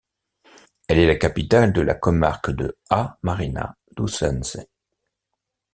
Elle est la capitale de la comarque de A Mariña lucense.